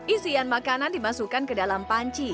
isian makanan dimasukkan ke dalam panci